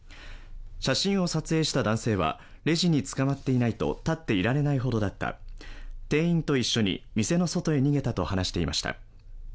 写真を撮影した男性は、レジにつかまっていないと立っていられないほどだった、店員と一緒に店の外へ逃げたと話していました。